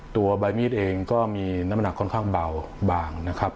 ตัวใบมีดเองก็มีน้ำหนักค่อนข้างเบาบางนะครับ